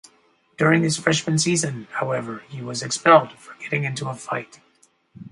During his freshman season, however, he was expelled for getting into a fight.